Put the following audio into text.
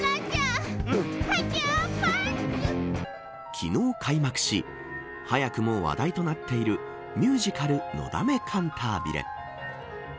昨日開幕し早くも話題となっているミュージカルのだめカンタービレ。